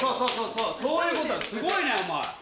そういうことだすごいなお前。